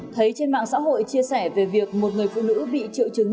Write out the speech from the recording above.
thấy trên mạng xã hội chia sẻ về việc một người phụ nữ bị triệu chứng